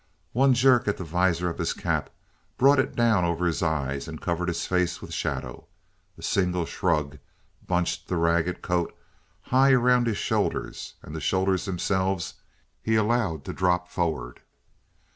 One jerk at the visor of his cap brought it down over his eyes and covered his face with shadow; a single shrug bunched the ragged coat high around his shoulders, and the shoulders themselves he allowed to drop forward.